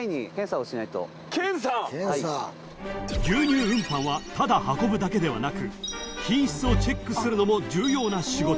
［牛乳運搬はただ運ぶだけではなく品質をチェックするのも重要な仕事］